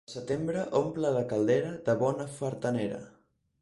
El setembre omple la caldera de bona fartanera.